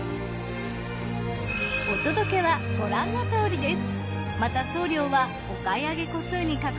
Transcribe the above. お届けはご覧のとおりです。